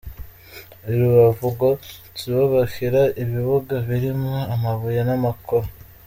I Rubavu, ngo sibo bakira ibibuga birimo amabuye n’amakoro ….